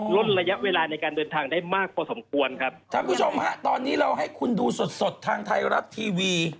ลดระยะเวลาในการเดินทางได้มากพอสมควรครับท่านผู้ชมฮะตอนนี้เราให้คุณดูสดสดทางไทยรัฐทีวี